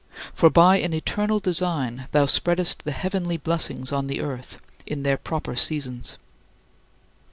For by an eternal design thou spreadest the heavenly blessings on the earth in their proper seasons.